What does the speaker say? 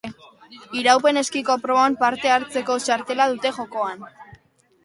Iraupen eskiko proban parte hartzeko txartela dute jokoan.